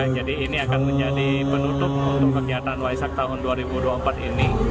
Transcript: jadi ini akan menjadi penutup untuk kegiatan waisak tahun dua ribu dua puluh empat ini